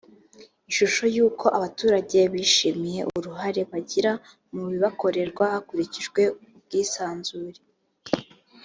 ishusho y’uko abaturage bishimiye uruhare bagira mu bibakorerwa hakurikijwe ubwisanzure